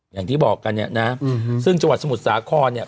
อย่างที่บอกกันเนี่ยนะซึ่งจังหวัดสมุทรสาครเนี่ย